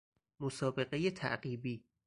مسابقه تعقیبی